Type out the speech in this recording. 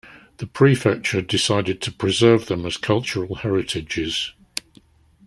The prefecture decided to preserve them as cultural heritages.